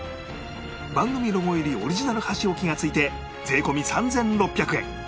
番組ロゴ入りオリジナル箸置きが付いて税込３６００円